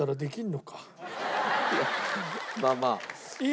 まあまあ。